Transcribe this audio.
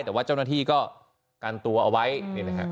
แต่ว่าเจ้าหน้าที่ก็กันตัวเอาไว้นี่นะฮะ